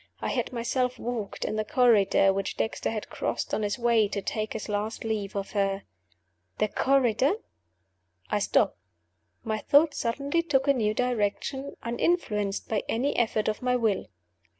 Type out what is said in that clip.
I had myself walked in the corridor which Dexter had crossed on his way to take his last leave of her. The corridor? I stopped. My thoughts suddenly took a new direction, uninfluenced by any effort of my will.